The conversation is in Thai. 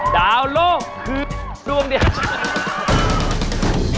ดาวโลกคือดวงเดียว